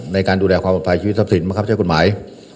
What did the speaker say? ในการดูแลความปลอดภัยชีวิตทรัพย์สินบังคับใช้กฎหมาย